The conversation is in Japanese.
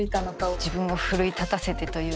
自分を奮い立たせてというか。